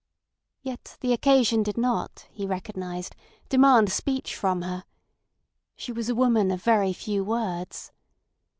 Yet the occasion did not, he recognised, demand speech from her. She was a woman of very few words.